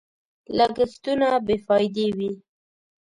لګښتونه بې فايدې وي.